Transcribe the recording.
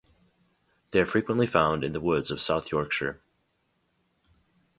They are frequently found in the woods of South Yorkshire.